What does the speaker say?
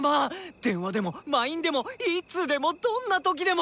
電話でも魔インでもいつでもどんな時でも！